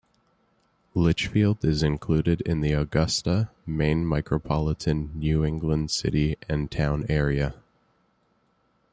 Litchfield is included in the Augusta, Maine micropolitan New England City and Town Area.